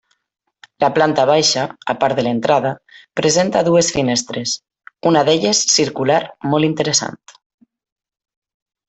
La planta baixa, a part de l'entrada, presenta dues finestres, una d'elles circular molt interessant.